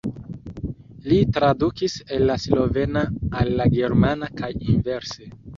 Li tradukis el la slovena al la germana kaj inverse.